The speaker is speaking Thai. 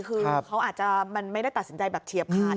คือเขาอาจจะมันไม่ได้ตัดสินใจแบบเฉียบขาด